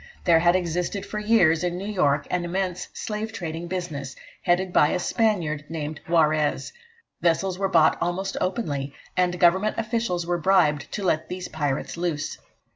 There had existed for years in New York an immense slave trading business, headed by a Spaniard named Juarez. Vessels were bought almost openly, and Government officials were bribed to let these pirates loose.